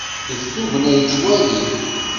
Deg tugna yettwali.